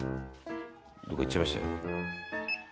どこか行っちゃいましたよ」